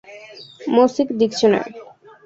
Music Dictionary.